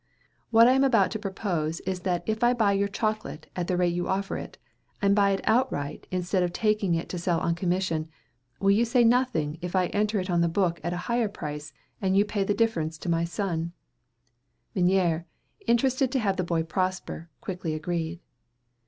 What I am about to propose is that if I buy your chocolate at the rate you offer it, and buy it outright instead of taking it to sell on commission, will you say nothing if I enter it on the book at a higher price, and you pay the difference to my son?" Menier, interested to have the boy prosper, quickly agreed.